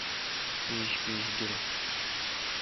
پیݭ پیݭ گیر۔